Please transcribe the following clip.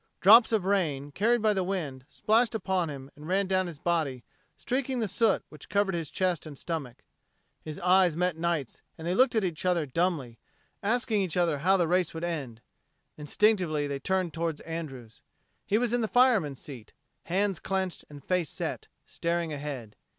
Drops of rain, carried by the wind, splashed upon him and ran down his body, streaking the soot which covered his chest and stomach. His eyes met Knight's and they looked at each other dumbly, asking each other how the the race would end. Instinctively they turned toward Andrews. He was in the fireman's seat, hands clenched and face set, staring ahead.